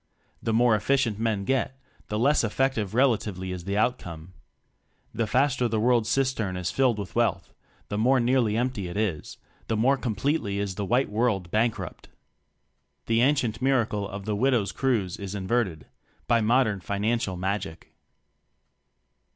The more efficient men get, the less effective relatively is the outcome! The faster the world cistern is filled with wealth the more nearly empty it is, the more completely is the White World bankrupt!! The ancient miracle of "the widow's cruse" is inverted by mod ern Financial Magic.